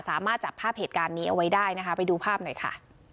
สามารถจับภาพเหตุการณ์นี้เอาไว้ได้นะคะไปดูภาพหน่อยค่ะ